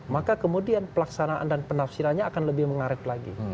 maka kemudian pelaksanaan dan penafsirannya akan lebih mengaret lagi